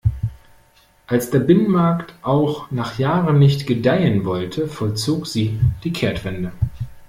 Als der Binnenmarkt auch nach Jahren nicht gedeihen wollte, vollzog sie die Kehrtwende.